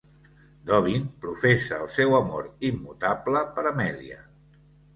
Dobbin professa el seu amor immutable per Amelia.